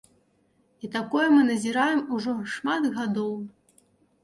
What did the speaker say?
І такое мы назіраем ужо шмат гадоў.